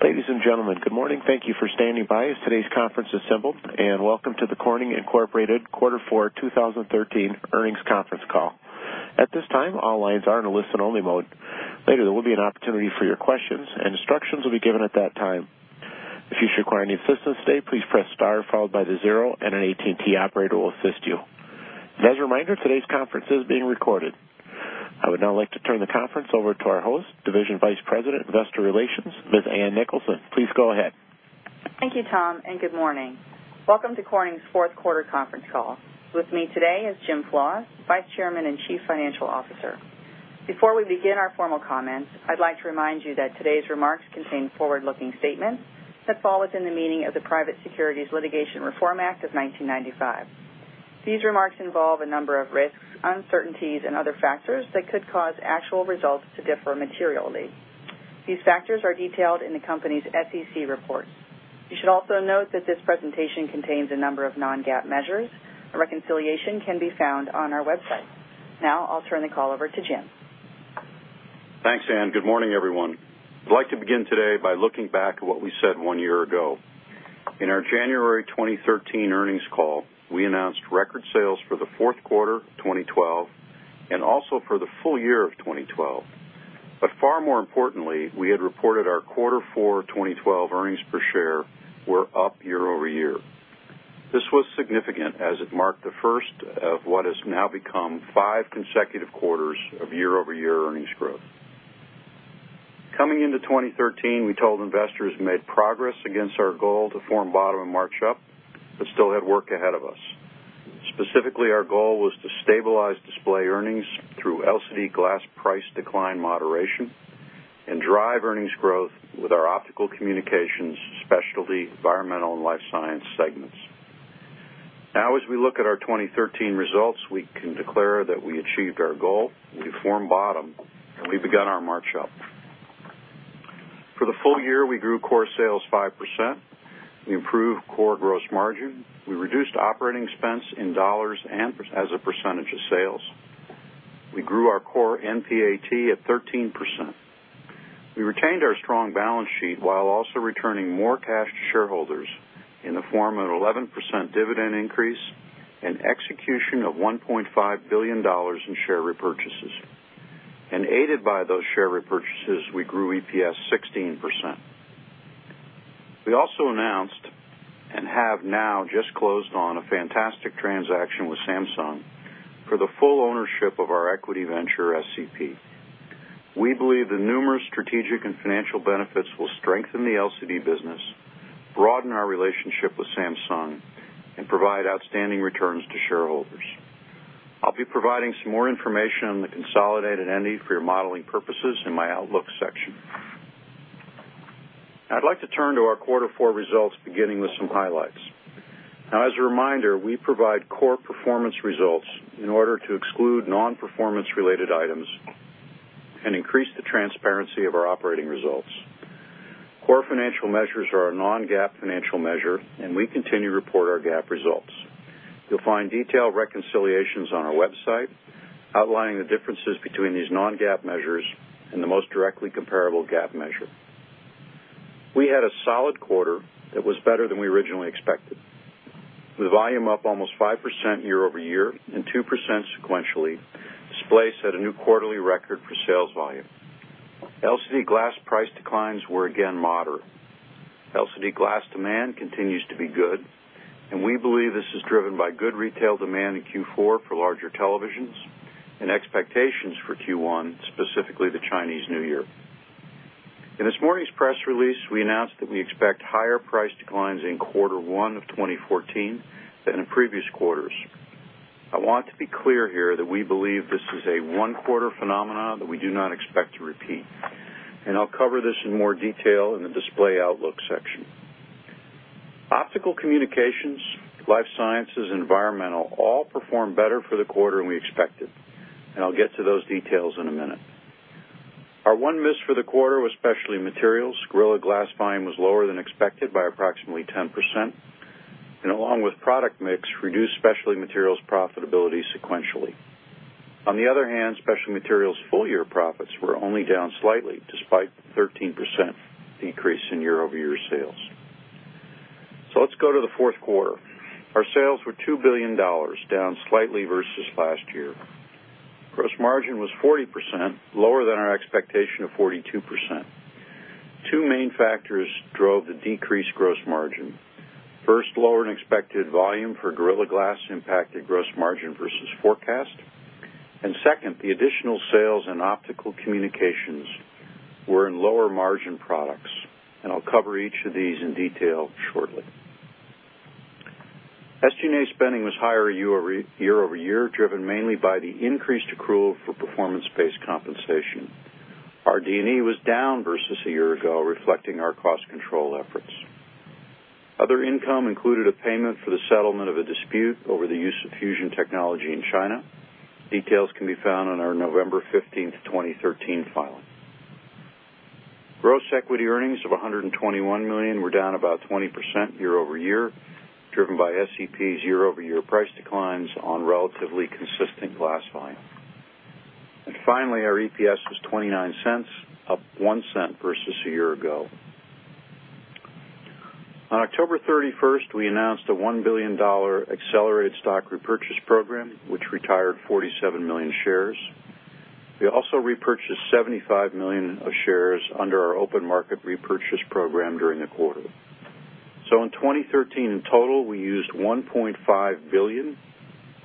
Ladies and gentlemen, good morning. Thank you for standing by as today's conference assembled, welcome to the Corning Incorporated Quarter Four 2013 Earnings Conference Call. At this time, all lines are in a listen-only mode. Later, there will be an opportunity for your questions, instructions will be given at that time. If you should require any assistance today, please press star followed by the zero, an AT&T operator will assist you. As a reminder, today's conference is being recorded. I would now like to turn the conference over to our host, Division Vice President, Investor Relations, Ms. Ann Nicholson. Please go ahead. Thank you, Tom, good morning. Welcome to Corning's fourth quarter conference call. With me today is Jim Flaws, Vice Chairman and Chief Financial Officer. Before we begin our formal comments, I'd like to remind you that today's remarks contain forward-looking statements that fall within the meaning of the Private Securities Litigation Reform Act of 1995. These remarks involve a number of risks, uncertainties, and other factors that could cause actual results to differ materially. These factors are detailed in the company's SEC reports. You should also note that this presentation contains a number of non-GAAP measures. A reconciliation can be found on our website. I'll turn the call over to Jim. Thanks, Ann. Good morning, everyone. I'd like to begin today by looking back at what we said one year ago. In our January 2013 earnings call, we announced record sales for the fourth quarter 2012, also for the full year 2012. Far more importantly, we had reported our quarter four 2012 earnings per share were up year-over-year. This was significant as it marked the first of what has now become five consecutive quarters of year-over-year earnings growth. Coming into 2013, we told investors we made progress against our goal to form bottom and march up, still had work ahead of us. Specifically, our goal was to stabilize Display earnings through LCD glass price decline moderation and drive earnings growth with our Optical Communications, Specialty Materials, Environmental Technologies, and Life Sciences segments. As we look at our 2013 results, we can declare that we achieved our goal. We formed bottom, we began our march up. For the full year, we grew core sales 5%. We improved core gross margin. We reduced operating expense in dollars and as a percentage of sales. We grew our core NPAT at 13%. We retained our strong balance sheet while also returning more cash to shareholders in the form of an 11% dividend increase, execution of $1.5 billion in share repurchases. Aided by those share repurchases, we grew EPS 16%. We also announced and have now just closed on a fantastic transaction with Samsung for the full ownership of our equity venture, SCP. We believe the numerous strategic and financial benefits will strengthen the LCD business, broaden our relationship with Samsung, and provide outstanding returns to shareholders. I'll be providing some more information on the consolidated entity for your modeling purposes in my outlook section. I'd like to turn to our quarter four results, beginning with some highlights. As a reminder, we provide core performance results in order to exclude non-performance-related items and increase the transparency of our operating results. Core financial measures are our non-GAAP financial measure, and we continue to report our GAAP results. You'll find detailed reconciliations on our website outlining the differences between these non-GAAP measures and the most directly comparable GAAP measure. We had a solid quarter that was better than we originally expected. With volume up almost 5% year-over-year and 2% sequentially, Display Technologies set a new quarterly record for sales volume. LCD glass price declines were again moderate. LCD glass demand continues to be good, and we believe this is driven by good retail demand in Q4 for larger televisions and expectations for Q1, specifically the Chinese New Year. In this morning's press release, we announced that we expect higher price declines in quarter one of 2014 than in previous quarters. I want to be clear here that we believe this is a one-quarter phenomenon that we do not expect to repeat. I'll cover this in more detail in the Display Technologies outlook section. Optical Communications, Life Sciences, and Environmental Technologies all performed better for the quarter than we expected, and I'll get to those details in a minute. Our one miss for the quarter was Specialty Materials. Gorilla Glass volume was lower than expected by approximately 10%, and along with product mix, reduced Specialty Materials profitability sequentially. On the other hand, Specialty Materials full-year profits were only down slightly despite 13% decrease in year-over-year sales. Let's go to the fourth quarter. Our sales were $2 billion, down slightly versus last year. Gross margin was 40%, lower than our expectation of 42%. Two main factors drove the decreased gross margin. First, lower than expected volume for Gorilla Glass impacted gross margin versus forecast. Second, the additional sales in Optical Communications were in lower-margin products. I'll cover each of these in detail shortly. SG&A spending was higher year-over-year, driven mainly by the increased accrual for performance-based compensation. Our RD&E was down versus a year ago, reflecting our cost control efforts. Other income included a payment for the settlement of a dispute over the use of fusion technology in China. Details can be found on our November 15th, 2013 filing. Gross equity earnings of $121 million were down about 20% year-over-year, driven by SCP's year-over-year price declines on relatively consistent glass volume. Finally, our EPS was $0.29, up $0.01 versus a year ago. On October 31st, we announced a $1 billion accelerated stock repurchase program, which retired 47 million shares. We also repurchased 75 million of shares under our open market repurchase program during the quarter. In 2013, in total, we used $1.5 billion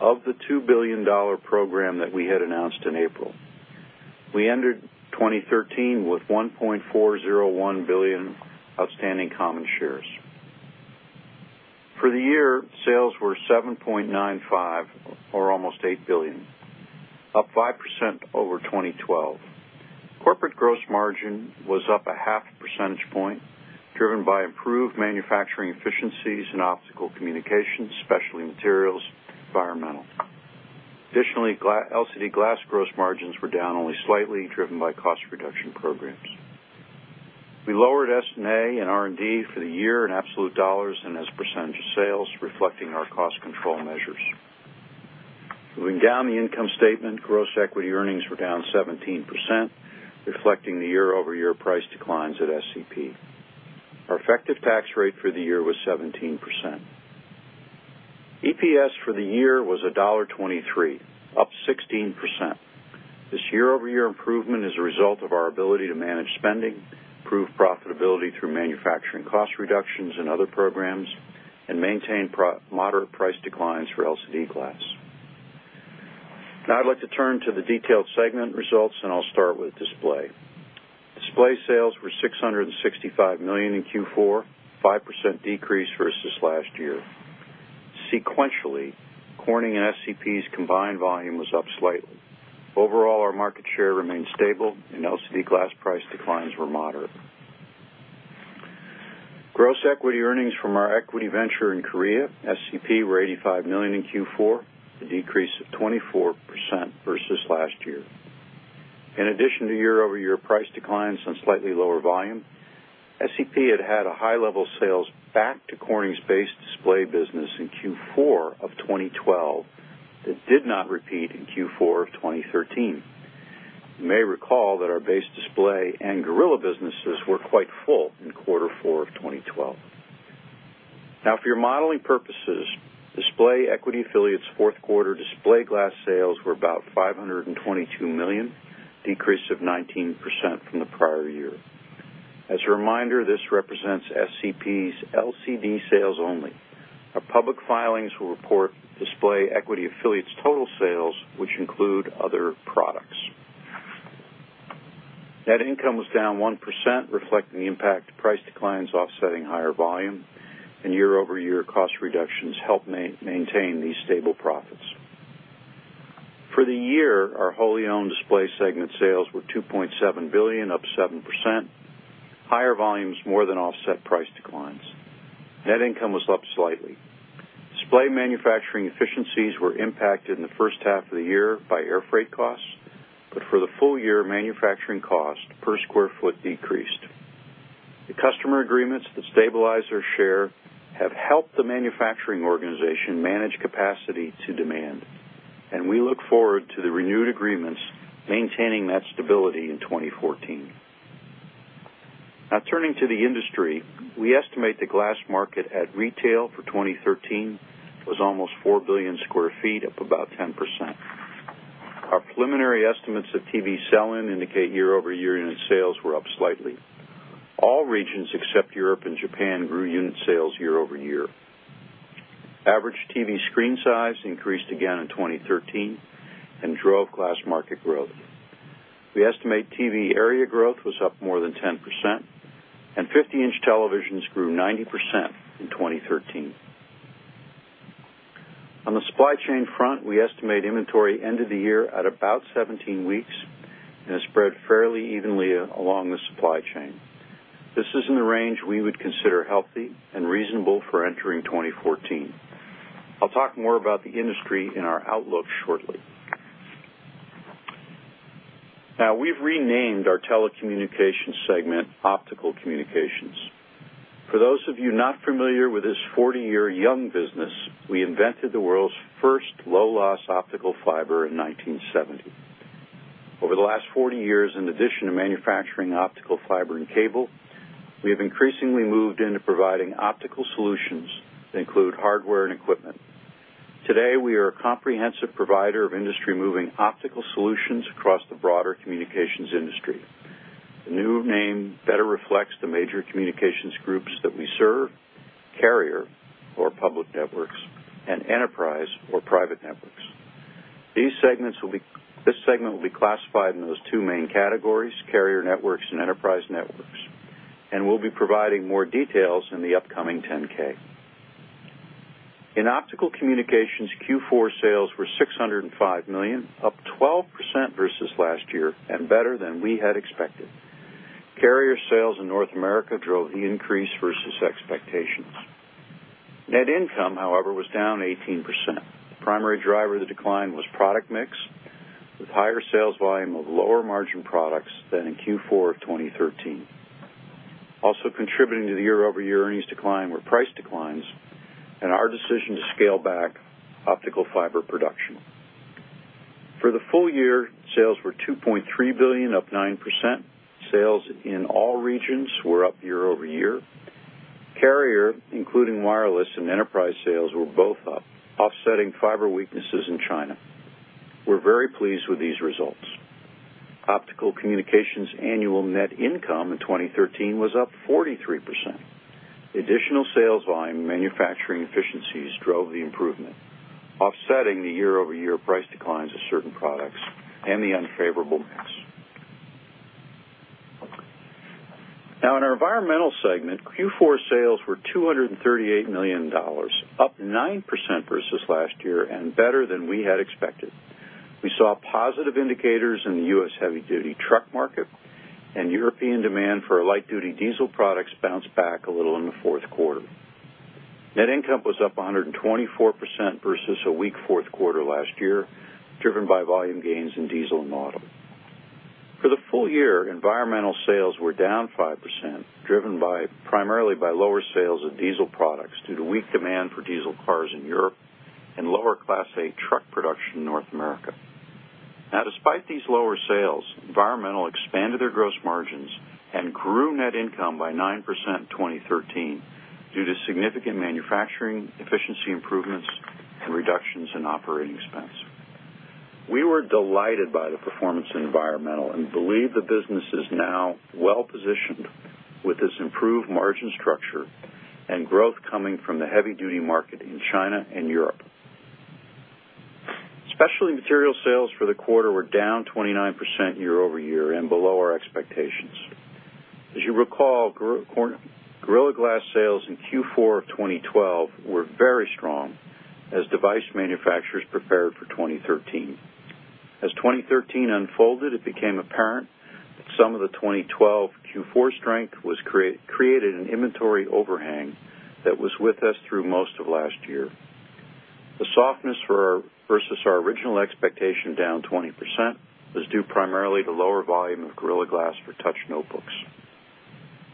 of the $2 billion program that we had announced in April. We ended 2013 with 1.401 billion outstanding common shares. For the year, sales were $7.95 billion or almost $8 billion, up 5% over 2012. Corporate gross margin was up a half a percentage point, driven by improved manufacturing efficiencies in Optical Communications, Specialty Materials, Environmental Technologies. LCD glass gross margins were down only slightly, driven by cost-reduction programs. We lowered SG&A and R&D for the year in absolute dollars and as a percentage of sales, reflecting our cost control measures. Moving down the income statement, gross equity earnings were down 17%, reflecting the year-over-year price declines at SCP. Our effective tax rate for the year was 17%. EPS for the year was $1.23, up 16%. This year-over-year improvement is a result of our ability to manage spending, improve profitability through manufacturing cost reductions and other programs, and maintain moderate price declines for LCD glass. I'd like to turn to the detailed segment results, and I'll start with display. Display sales were $665 million in Q4, 5% decrease versus last year. Sequentially, Corning and SCP's combined volume was up slightly. Overall, our market share remained stable and LCD glass price declines were moderate. Gross equity earnings from our equity venture in Korea, SCP, were $85 million in Q4, a decrease of 24% versus last year. In addition to year-over-year price declines on slightly lower volume, SCP had a high level of sales back to Corning's base display business in Q4 of 2012 that did not repeat in Q4 of 2013. You may recall that our base display and Gorilla businesses were quite full in quarter four of 2012. For your modeling purposes, display equity affiliates' fourth quarter display glass sales were about $522 million, a decrease of 19% from the prior year. As a reminder, this represents SCP's LCD sales only. Our public filings will report display equity affiliates' total sales, which include other products. Net income was down 1%, reflecting the impact of price declines offsetting higher volume, and year-over-year cost reductions helped maintain these stable profits. For the year, our wholly-owned display segment sales were $2.7 billion, up 7%. Higher volumes more than offset price declines. Net income was up slightly. Display manufacturing efficiencies were impacted in the first half of the year by air freight costs, but for the full year, manufacturing cost per square foot decreased. The customer agreements that stabilize our share have helped the manufacturing organization manage capacity to demand, and we look forward to the renewed agreements maintaining that stability in 2014. Turning to the industry, we estimate the glass market at retail for 2013 was almost $4 billion square feet, up about 10%. Our preliminary estimates of TV sell-in indicate year-over-year unit sales were up slightly. All regions except Europe and Japan grew unit sales year-over-year. Average TV screen size increased again in 2013 and drove glass market growth. We estimate TV area growth was up more than 10%, and 50-inch televisions grew 90% in 2013. On the supply chain front, we estimate inventory ended the year at about 17 weeks and is spread fairly evenly along the supply chain. This is in the range we would consider healthy and reasonable for entering 2014. I'll talk more about the industry and our outlook shortly. We've renamed our telecommunications segment Optical Communications. For those of you not familiar with this 40-year young business, we invented the world's first low-loss optical fiber in 1970. Over the last 40 years, in addition to manufacturing optical fiber and cable, we have increasingly moved into providing optical solutions that include hardware and equipment. Today, we are a comprehensive provider of industry-moving optical solutions across the broader communications industry. The new name better reflects the major communications groups that we serve, carrier or public networks, and enterprise or private networks. This segment will be classified in those two main categories, carrier networks and enterprise networks, and we'll be providing more details in the upcoming 10-K. In Optical Communications, Q4 sales were $605 million, up 12% versus last year. Better than we had expected. Carrier sales in North America drove the increase versus expectations. Net income, however, was down 18%. The primary driver of the decline was product mix, with higher sales volume of lower-margin products than in Q4 of 2013. Also contributing to the year-over-year earnings decline were price declines and our decision to scale back optical fiber production. For the full year, sales were $2.3 billion, up 9%. Sales in all regions were up year-over-year. Carrier, including wireless and enterprise sales, were both up, offsetting fiber weaknesses in China. We're very pleased with these results. Optical Communications annual net income in 2013 was up 43%. Additional sales volume manufacturing efficiencies drove the improvement, offsetting the year-over-year price declines of certain products and the unfavorable mix. Now in our Environmental segment, Q4 sales were $238 million, up 9% versus last year. Better than we had expected. We saw positive indicators in the U.S. heavy-duty truck market. European demand for our light-duty diesel products bounced back a little in the fourth quarter. Net income was up 124% versus a weak fourth quarter last year, driven by volume gains in diesel and auto. For the full year, Environmental sales were down 5%, driven primarily by lower sales of diesel products due to weak demand for diesel cars in Europe and lower Class 8 truck production in North America. Now, despite these lower sales, Environmental expanded their gross margins and grew net income by 9% in 2013 due to significant manufacturing efficiency improvements and reductions in operating expense. We were delighted by the performance in Environmental and believe the business is now well-positioned with this improved margin structure and growth coming from the heavy-duty market in China and Europe. Specialty Materials sales for the quarter were down 29% year-over-year. Below our expectations. As you recall, Gorilla Glass sales in Q4 of 2012 were very strong as device manufacturers prepared for 2013. As 2013 unfolded, it became apparent that some of the 2012 Q4 strength created an inventory overhang that was with us through most of last year. The softness versus our original expectation, down 20%, was due primarily to lower volume of Gorilla Glass for touch notebooks.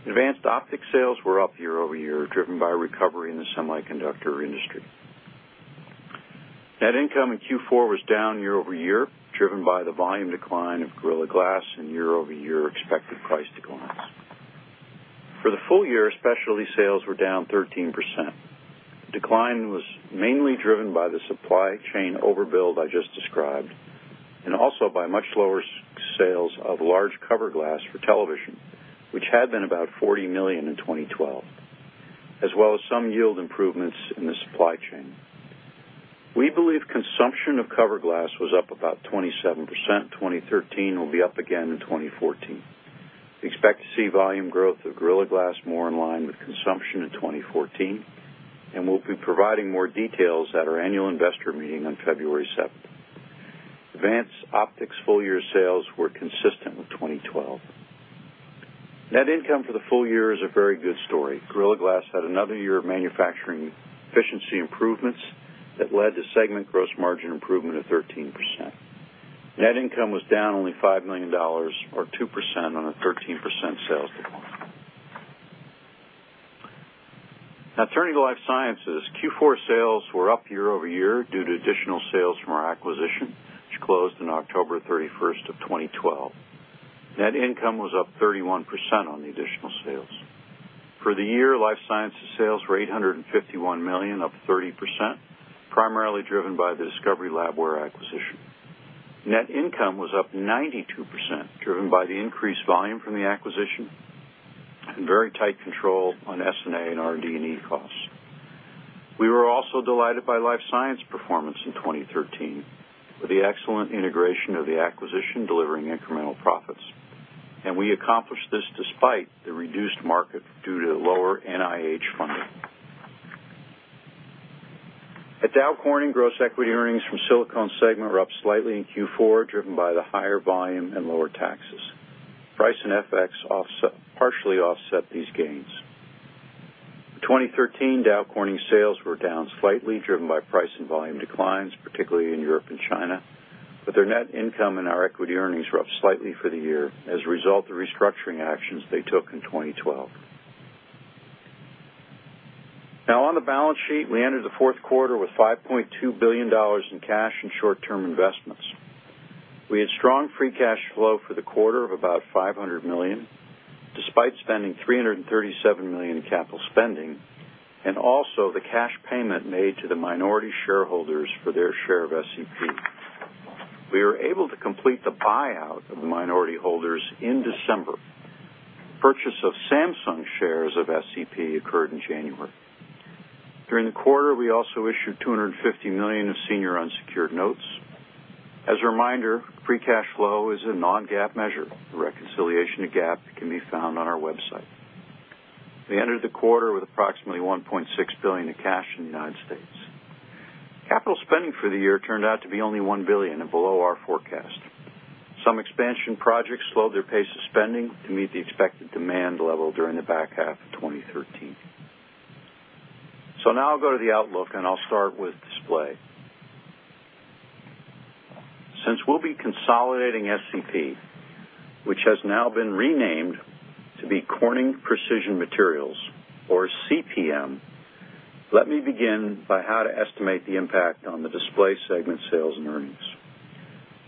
Advanced Optics sales were up year-over-year, driven by a recovery in the semiconductor industry. Net income in Q4 was down year-over-year, driven by the volume decline of Gorilla Glass and year-over-year expected price declines. For the full year, Specialty sales were down 13%. Decline was mainly driven by the supply chain overbuild I just described, and also by much lower sales of large cover glass for television, which had been about $40 million in 2012, as well as some yield improvements in the supply chain. We believe consumption of cover glass was up about 27% in 2013. Will be up again in 2014. We expect to see volume growth of Gorilla Glass more in line with consumption in 2014. We'll be providing more details at our annual investor meeting on February 7th. Advanced Optics full-year sales were consistent with 2012. Net income for the full year is a very good story. Gorilla Glass had another year of manufacturing efficiency improvements that led to segment gross margin improvement of 13%. Net income was down only $5 million, or 2%, on a 13% sales decline. Turning to Life Sciences. Q4 sales were up year-over-year due to additional sales from our acquisition, which closed on October 31st of 2012. Net income was up 31% on the additional sales. For the year, Life Sciences sales were $851 million, up 30%, primarily driven by the Discovery Labware acquisition. Net income was up 92%, driven by the increased volume from the acquisition and very tight control on SG&A and R&D&E costs. We were also delighted by Life Sciences performance in 2013, with the excellent integration of the acquisition delivering incremental profits. We accomplished this despite the reduced market due to lower NIH funding. At Dow Corning, gross equity earnings from silicone segment were up slightly in Q4, driven by the higher volume and lower taxes. Price and FX partially offset these gains. In 2013, Dow Corning sales were down slightly, driven by price and volume declines, particularly in Europe and China. Their net income and our equity earnings were up slightly for the year as a result of restructuring actions they took in 2012. On the balance sheet, we entered the fourth quarter with $5.2 billion in cash and short-term investments. We had strong free cash flow for the quarter of about $500 million, despite spending $337 million in capital spending and also the cash payment made to the minority shareholders for their share of SCP. We were able to complete the buyout of the minority holders in December. Purchase of Samsung shares of SCP occurred in January. During the quarter, we also issued $250 million of senior unsecured notes. As a reminder, free cash flow is a non-GAAP measure. The reconciliation to GAAP can be found on our website. We entered the quarter with approximately $1.6 billion in cash in the United States. Capital spending for the year turned out to be only $1 billion and below our forecast. Some expansion projects slowed their pace of spending to meet the expected demand level during the back half. Now I'll go to the outlook, and I'll start with display. Since we'll be consolidating SCP, which has now been renamed to be Corning Precision Materials, or CPM, let me begin by how to estimate the impact on the display segment sales and earnings.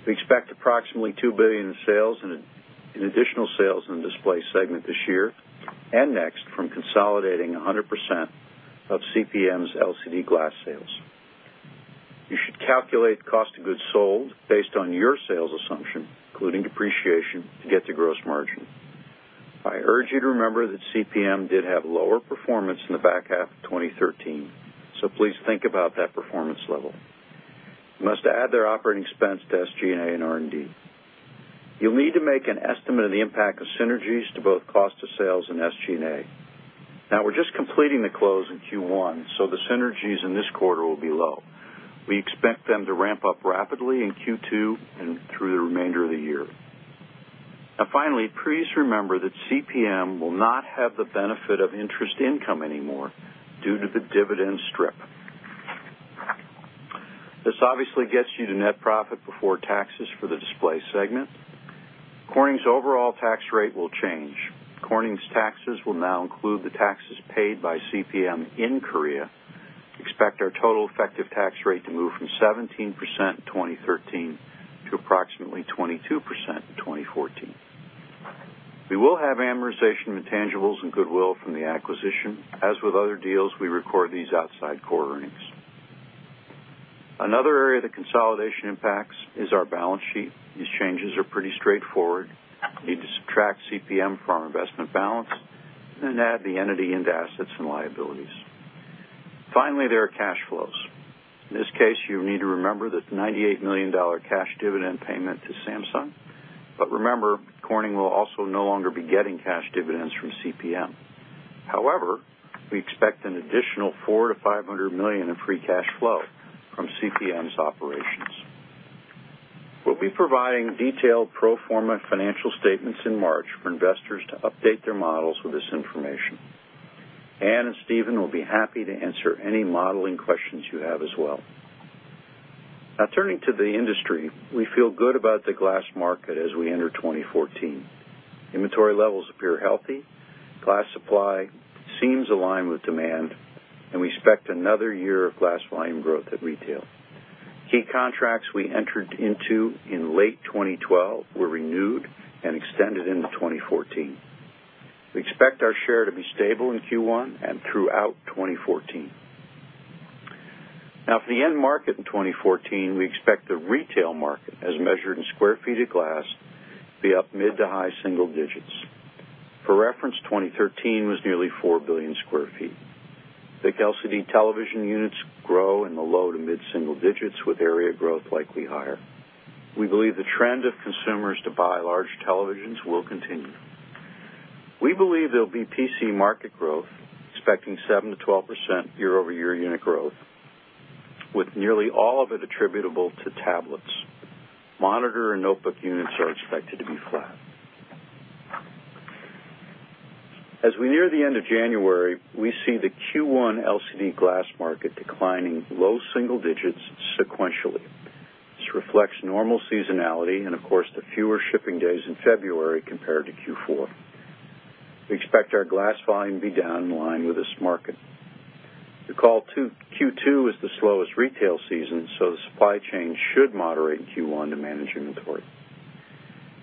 We expect approximately $2 billion in additional sales in the display segment this year, and next from consolidating 100% of CPM's LCD glass sales. You should calculate cost of goods sold based on your sales assumption, including depreciation, to get to gross margin. I urge you to remember that CPM did have lower performance in the back half of 2013, so please think about that performance level. You must add their operating expense to SG&A and R&D. You'll need to make an estimate of the impact of synergies to both cost of sales and SG&A. We're just completing the close in Q1, so the synergies in this quarter will be low. We expect them to ramp up rapidly in Q2 and through the remainder of the year. Finally, please remember that CPM will not have the benefit of interest income anymore due to the dividend strip. This obviously gets you to net profit before taxes for the display segment. Corning's overall tax rate will change. Corning's taxes will now include the taxes paid by CPM in Korea. Expect our total effective tax rate to move from 17% in 2013 to approximately 22% in 2014. We will have amortization of intangibles and goodwill from the acquisition. As with other deals, we record these outside core earnings. Another area the consolidation impacts is our balance sheet. These changes are pretty straightforward. You need to subtract CPM from our investment balance and then add the entity into assets and liabilities. Finally, there are cash flows. In this case, you need to remember the $98 million cash dividend payment to Samsung. Remember, Corning will also no longer be getting cash dividends from CPM. We expect an additional $400 million-$500 million in free cash flow from CPM's operations. We will be providing detailed pro forma financial statements in March for investors to update their models with this information. Ann and Steven will be happy to answer any modeling questions you have as well. Turning to the industry, we feel good about the glass market as we enter 2014. Inventory levels appear healthy. Glass supply seems aligned with demand. We expect another year of glass volume growth at retail. Key contracts we entered into in late 2012 were renewed and extended into 2014. We expect our share to be stable in Q1 and throughout 2014. For the end market in 2014, we expect the retail market, as measured in sq ft of glass, to be up mid- to high-single digits. For reference, 2013 was nearly 4 billion sq ft. We expect LCD television units to grow in the low- to mid-single digits, with area growth likely higher. We believe the trend of consumers to buy large televisions will continue. We believe there will be PC market growth, expecting 7%-12% year-over-year unit growth, with nearly all of it attributable to tablets. Monitor and notebook units are expected to be flat. As we near the end of January, we see the Q1 LCD glass market declining low-single digits sequentially. This reflects normal seasonality and of course, the fewer shipping days in February compared to Q4. We expect our glass volume to be down in line with this market. You will recall Q2 is the slowest retail season, so the supply chain should moderate in Q1 to manage inventory.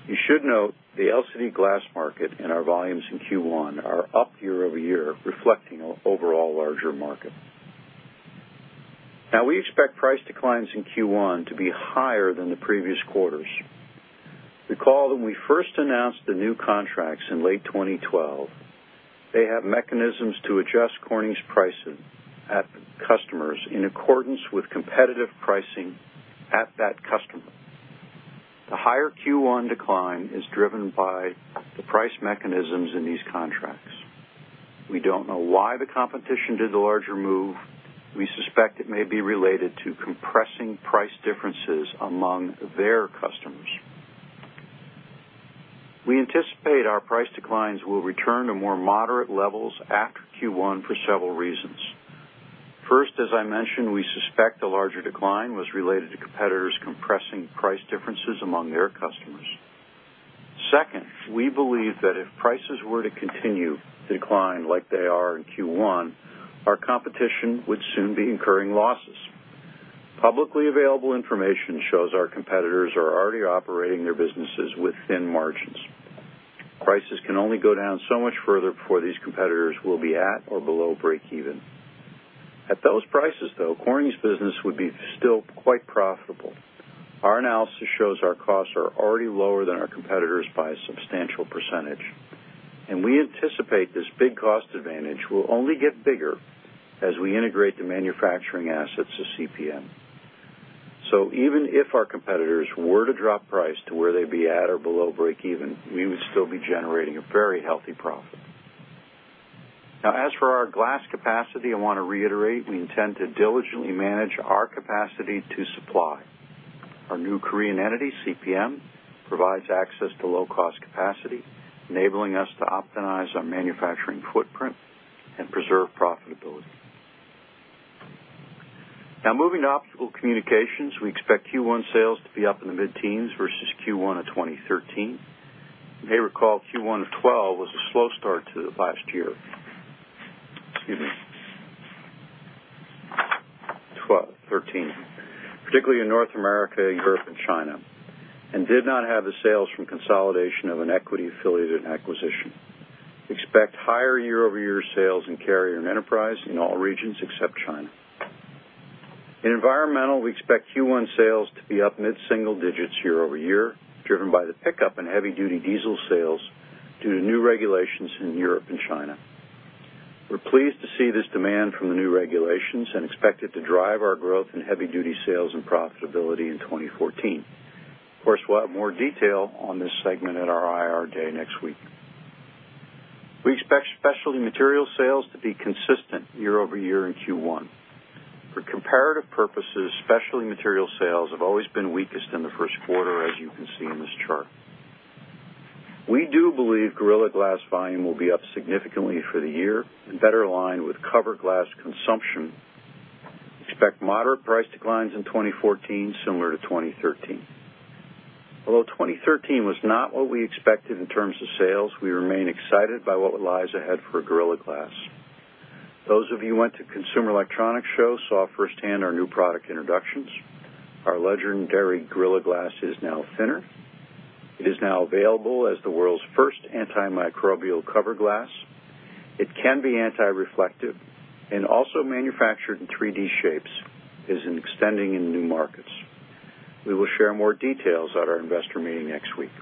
You should note the LCD glass market and our volumes in Q1 are up year-over-year, reflecting an overall larger market. We expect price declines in Q1 to be higher than the previous quarters. You will recall when we first announced the new contracts in late 2012, they have mechanisms to adjust Corning's pricing at customers in accordance with competitive pricing at that customer. The higher Q1 decline is driven by the price mechanisms in these contracts. We do not know why the competition did the larger move. We suspect it may be related to compressing price differences among their customers. We anticipate our price declines will return to more moderate levels after Q1 for several reasons. First, as I mentioned, we suspect the larger decline was related to competitors compressing price differences among their customers. Second, we believe that if prices were to continue to decline like they are in Q1, our competition would soon be incurring losses. Publicly available information shows our competitors are already operating their businesses within margins. Prices can only go down so much further before these competitors will be at or below breakeven. At those prices, though, Corning's business would be still quite profitable. Our analysis shows our costs are already lower than our competitors by a substantial percentage, and we anticipate this big cost advantage will only get bigger as we integrate the manufacturing assets to CPM. Even if our competitors were to drop price to where they'd be at or below breakeven, we would still be generating a very healthy profit. As for our glass capacity, I want to reiterate we intend to diligently manage our capacity to supply. Our new Korean entity, CPM, provides access to low-cost capacity, enabling us to optimize our manufacturing footprint and preserve profitability. Moving to Optical Communications, we expect Q1 sales to be up in the mid-teens versus Q1 of 2013. You may recall Q1 of 2012 was a slow start to last year. Excuse me. 2013. Particularly in North America, Europe, and China, and did not have the sales from consolidation of an equity-affiliated acquisition. Expect higher year-over-year sales in carrier and enterprise in all regions except China. In Environmental, we expect Q1 sales to be up mid-single digits year-over-year, driven by the pickup in heavy-duty diesel sales due to new regulations in Europe and China. We're pleased to see this demand from the new regulations and expect it to drive our growth in heavy-duty sales and profitability in 2014. Of course, we'll have more detail on this segment at our IR day next week. We expect Specialty Materials sales to be consistent year-over-year in Q1. For comparative purposes, Specialty Materials sales have always been weakest in the first quarter, as you can see in this chart. We do believe Gorilla Glass volume will be up significantly for the year and better aligned with cover glass consumption. Expect moderate price declines in 2014, similar to 2013. Although 2013 was not what we expected in terms of sales, we remain excited by what lies ahead for Gorilla Glass. Those of you who went to Consumer Electronics Show saw firsthand our new product introductions. Our legendary Gorilla Glass is now thinner. It is now available as the world's first antimicrobial cover glass. It can be anti-reflective and also manufactured in 3D shapes, as in extending in new markets. We will share more details at our investor meeting next week.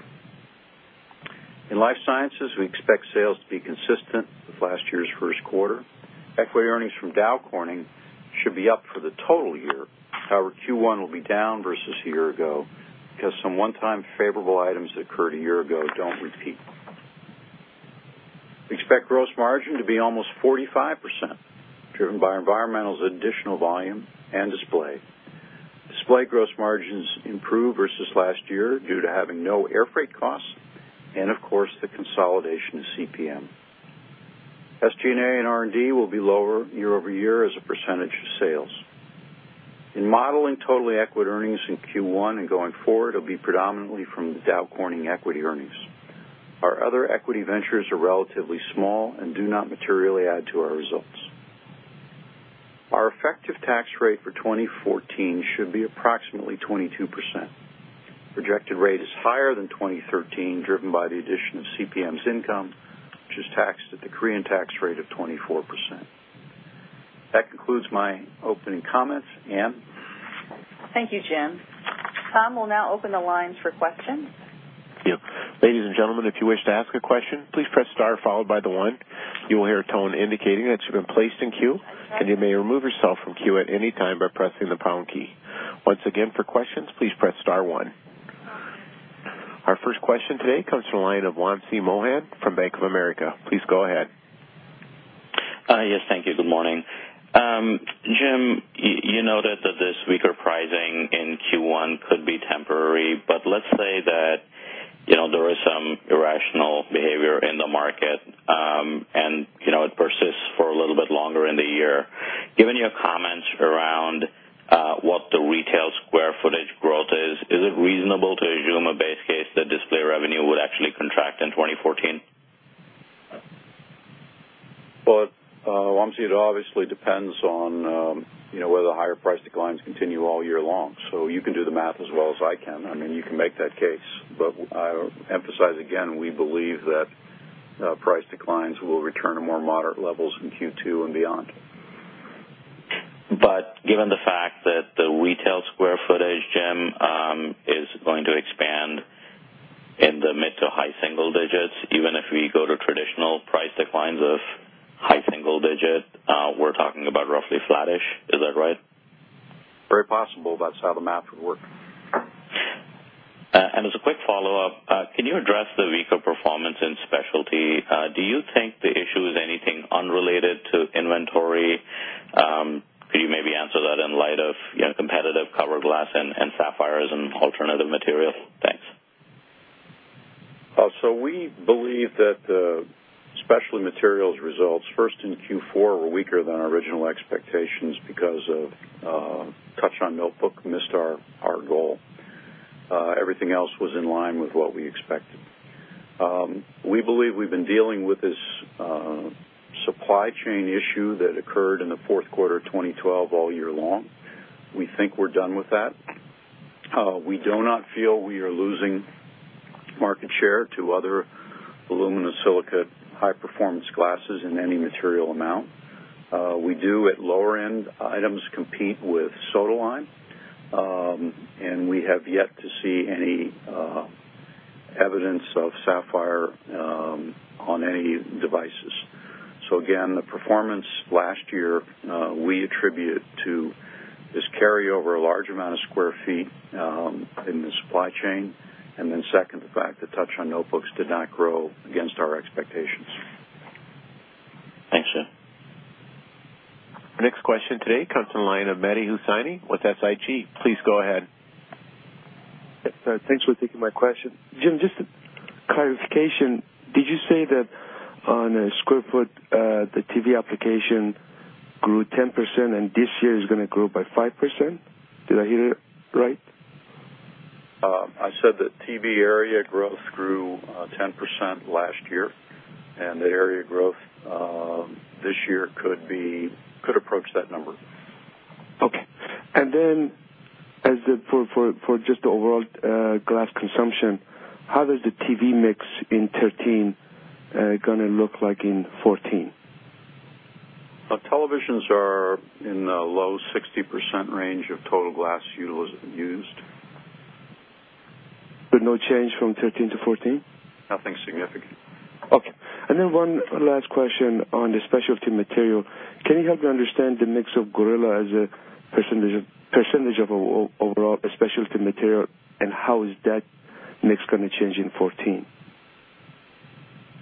In Life Sciences, we expect sales to be consistent with last year's first quarter. Equity earnings from Dow Corning should be up for the total year. Q1 will be down versus a year ago because some one-time favorable items that occurred a year ago don't repeat. We expect gross margin to be almost 45%, driven by Environmental's additional volume and Display. Display gross margins improve versus last year due to having no air freight costs and of course, the consolidation of CPM. SG&A and R&D will be lower year-over-year as a percentage of sales. In modeling total equity earnings in Q1 and going forward, it'll be predominantly from the Dow Corning equity earnings. Our other equity ventures are relatively small and do not materially add to our results. Our effective tax rate for 2014 should be approximately 22%. Projected rate is higher than 2013, driven by the addition of CPM's income, which is taxed at the Korean tax rate of 24%. That concludes my opening comments. Ann? Thank you, Jim. Tom will now open the lines for questions. Yep. Ladies and gentlemen, if you wish to ask a question, please press star followed by one. You will hear a tone indicating that you've been placed in queue, and you may remove yourself from queue at any time by pressing the pound key. Once again, for questions, please press star one. Our first question today comes from the line of Wamsi Mohan from Bank of America. Please go ahead. Yes, thank you. Good morning. Jim, you noted that this weaker pricing in Q1 could be temporary. Let's say that there is some irrational behavior in the market, and it persists for a little bit longer in the year. Given your comments around what the retail square footage growth is it reasonable to assume a base case that Display revenue would actually contract in 2014? Well, Wamsi, it obviously depends on whether the higher price declines continue all year long. You can do the math as well as I can. You can make that case. I emphasize again, we believe that price declines will return to more moderate levels in Q2 and beyond. Given the fact that the retail square footage, Jim, is going to expand in the mid to high single digits, even if we go to traditional price declines of high single digit, we're talking about roughly flattish. Is that right? Very possible. That's how the math would work. As a quick follow-up, can you address the weaker performance in Specialty? Do you think the issue is anything unrelated to inventory? Could you maybe answer that in light of competitive cover glass and sapphires and alternative materials? Thanks. We believe that the Specialty Materials results, first in Q4, were weaker than our original expectations because of touch-on notebook missed our goal. Everything else was in line with what we expected. We believe we've been dealing with this supply chain issue that occurred in the fourth quarter 2012 all year long. We think we're done with that. We do not feel we are losing market share to other aluminosilicate high-performance glasses in any material amount. We do at lower-end items compete with soda-lime. We have yet to see any evidence of sapphire on any devices. Again, the performance last year, we attribute to this carryover of a large amount of square feet in the supply chain, and then second, the fact that touch-on notebooks did not grow against our expectations. Our next question today comes from the line of Mehdi Hosseini with SIG. Please go ahead. Thanks for taking my question. Jim, just a clarification, did you say that on a square foot, the TV application grew 10% and this year is going to grow by 5%? Did I hear that right? I said that TV area growth grew 10% last year, and the area growth this year could approach that number. Okay. For just the overall glass consumption, how does the TV mix in 2013 going to look like in 2014? Televisions are in the low 60% range of total glass used. No change from 2013 to 2014? Nothing significant. Okay. One last question on the Specialty Materials. Can you help me understand the mix of Gorilla as a % of overall Specialty Materials, and how is that mix going to change in 2014?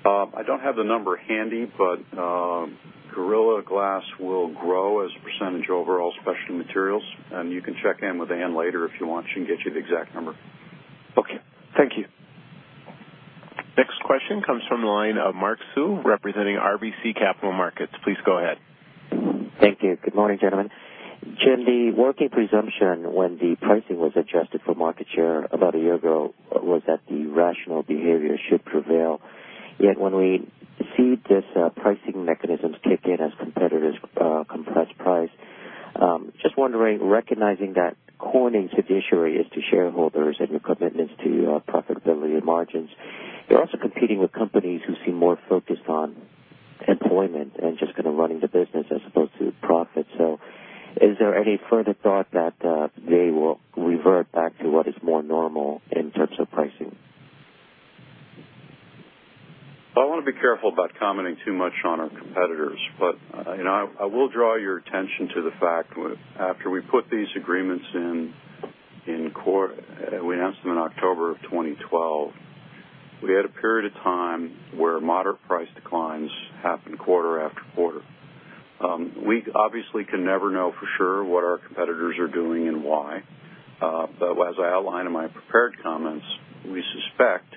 I don't have the number handy, but Gorilla Glass will grow as a percentage of overall Specialty Materials, and you can check in with Ann later if you want. She can get you the exact number. Okay. Thank you. Next question comes from the line of Mark Sue, representing RBC Capital Markets. Please go ahead. Thank you. Good morning, gentlemen. Jim, the working presumption when the pricing was adjusted for market share about a year ago was that the rational behavior should prevail. When we see these pricing mechanisms kick in as competitors compress price, just wondering, recognizing that Corning's fiduciary is to shareholders and your commitment is to profitability and margins, you're also competing with companies who seem more focused on employment and just kind of running the business as opposed to profit. Is there any further thought that they will revert back to what is more normal in terms of pricing? I want to be careful about commenting too much on our competitors. I will draw your attention to the fact after we put these agreements in, we announced them in October of 2012, we had a period of time where moderate price declines happened quarter after quarter. We obviously can never know for sure what our competitors are doing and why. As I outlined in my prepared comments, we suspect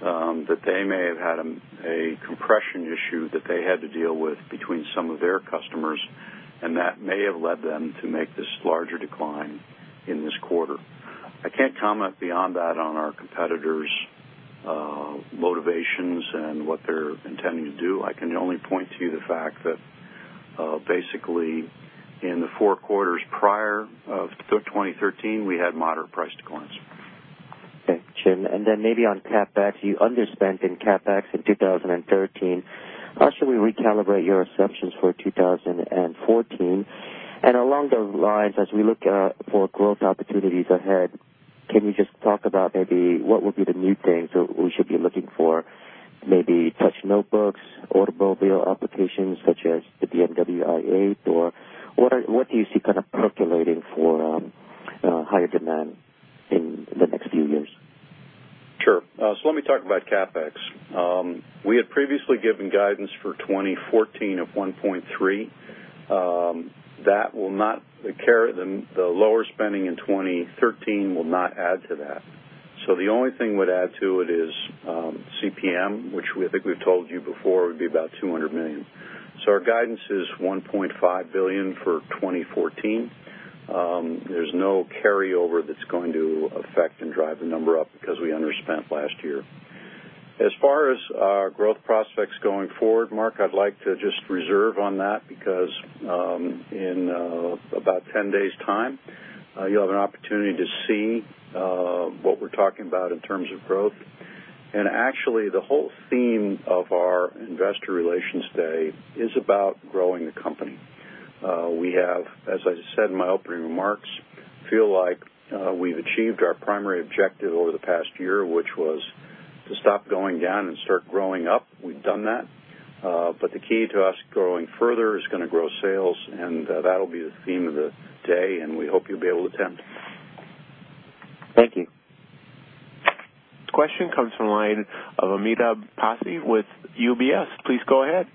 that they may have had a compression issue that they had to deal with between some of their customers, and that may have led them to make this larger decline in this quarter. I can't comment beyond that on our competitors' motivations and what they're intending to do. I can only point to the fact that basically in the four quarters prior of 2013, we had moderate price declines. Okay, Jim, maybe on CapEx, you underspent in CapEx in 2013. How should we recalibrate your assumptions for 2014? Along those lines, as we look for growth opportunities ahead, can you just talk about maybe what would be the new things that we should be looking for, maybe touch notebooks, automobile applications such as the BMW i8, or what do you see kind of percolating for higher demand in the next few years? Sure. Let me talk about CapEx. We had previously given guidance for 2014 of $1.3 billion. The lower spending in 2013 will not add to that. The only thing would add to it is CPM, which I think we've told you before would be about $200 million. Our guidance is $1.5 billion for 2014. There's no carryover that's going to affect and drive the number up because we underspent last year. As far as our growth prospects going forward, Mark, I'd like to just reserve on that because in about 10 days' time, you'll have an opportunity to see what we're talking about in terms of growth. Actually, the whole theme of our investor relations day is about growing the company. We have, as I said in my opening remarks, feel like we've achieved our primary objective over the past year, which was to stop going down and start growing up. We've done that. The key to us growing further is going to grow sales, and that'll be the theme of the day, we hope you'll be able to attend. Thank you. Question comes from the line of Amitabh Passi with UBS. Please go ahead.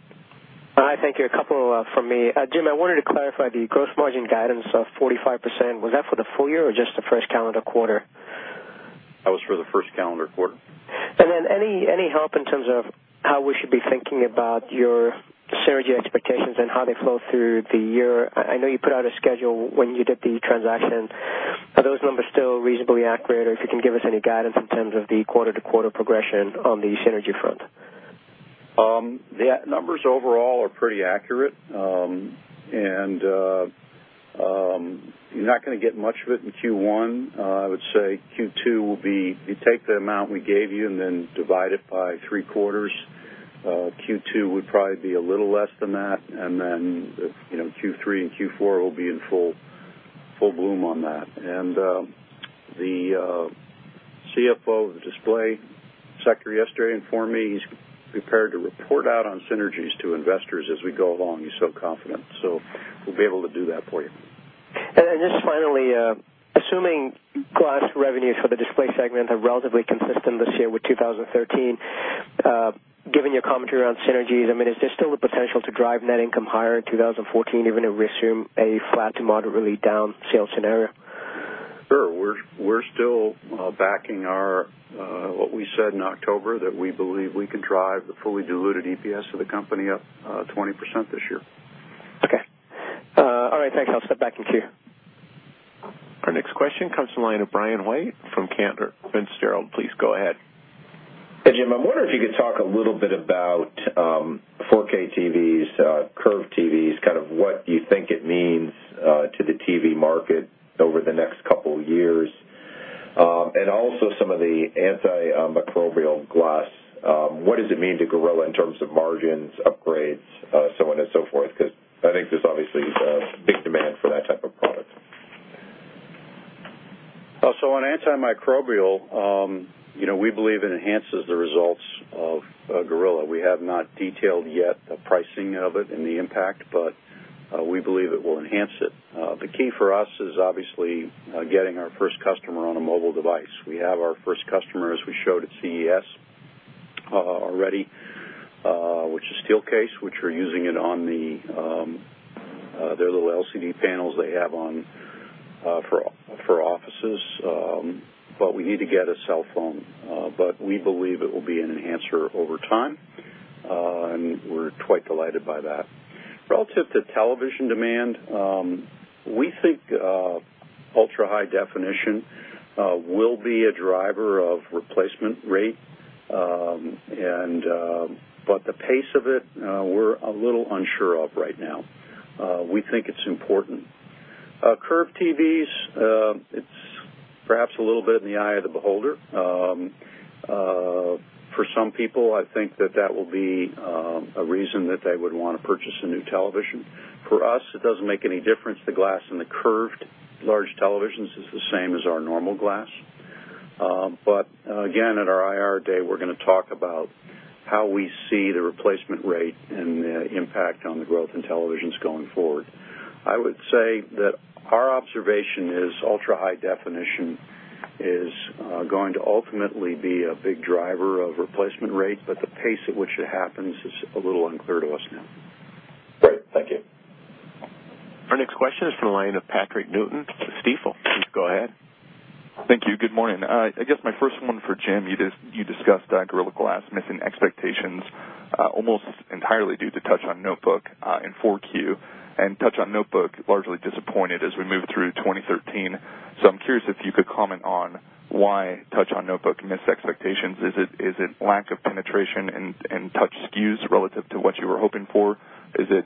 Hi. Thank you. A couple from me. Jim, I wanted to clarify the gross margin guidance of 45%. Was that for the full year or just the first calendar quarter? That was for the first calendar quarter. Any help in terms of how we should be thinking about your synergy expectations and how they flow through the year? I know you put out a schedule when you did the transaction. Are those numbers still reasonably accurate? Or if you can give us any guidance in terms of the quarter-to-quarter progression on the synergy front? The numbers overall are pretty accurate. You're not going to get much of it in Q1. I would say Q2 will be, if you take the amount we gave you and then divide it by three quarters, Q2 would probably be a little less than that. Q3 and Q4 will be in full bloom on that. The CFO of the display sector yesterday informed me he's prepared to report out on synergies to investors as we go along. He's so confident. We'll be able to do that for you. Just finally revenues for the display segment are relatively consistent this year with 2013. Given your commentary around synergies, is there still the potential to drive net income higher in 2014 even if we assume a flat to moderately down sale scenario? Sure. We're still backing what we said in October, that we believe we can drive the fully diluted EPS of the company up 20% this year. Okay. All right, thanks. I'll step back in queue. Our next question comes from the line of Brian White from Cantor Fitzgerald. Please go ahead. Hey, Jim. I wonder if you could talk a little bit about 4K TVs, curved TVs, what you think it means to the TV market over the next couple of years. Also some of the antimicrobial glass. What does it mean to Gorilla in terms of margins, upgrades, so on and so forth? I think there's obviously a big demand for that type of product. On antimicrobial, we believe it enhances the results of Gorilla. We have not detailed yet the pricing of it and the impact, but we believe it will enhance it. The key for us is obviously getting our first customer on a mobile device. We have our first customer, as we showed at CES already, which is Steelcase, which are using it on their little LCD panels they have for offices. We need to get a cell phone. We believe it will be an enhancer over time, and we're quite delighted by that. Relative to television demand, we think ultra-high definition will be a driver of replacement rate, the pace of it, we're a little unsure of right now. We think it's important. Curved TVs, it's perhaps a little bit in the eye of the beholder. For some people, I think that that will be a reason that they would want to purchase a new television. For us, it doesn't make any difference. The glass in the curved large televisions is the same as our normal glass. Again, at our IR day, we're going to talk about how we see the replacement rate and the impact on the growth in televisions going forward. I would say that our observation is ultra-high definition is going to ultimately be a big driver of replacement rate. The pace at which it happens is a little unclear to us now. Great. Thank you. Our next question is from the line of Patrick Newton at Stifel. Please go ahead. Thank you. Good morning. I guess my first one for Jim, you discussed Gorilla Glass missing expectations almost entirely due to touch-on notebook in 4Q. Touch-on notebook largely disappointed as we move through 2013. I'm curious if you could comment on why touch-on notebook missed expectations. Is it lack of penetration in touch SKUs relative to what you were hoping for? Is it